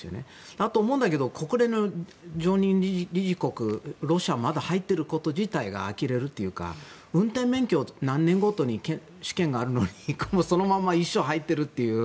あと思うんだけど国連の常任理事国はロシアがまだ入っていること自体があきれるっていうか運転免許何年ごとに試験があるのにそのまま一生入っているという。